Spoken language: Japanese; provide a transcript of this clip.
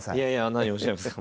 何をおっしゃいますか。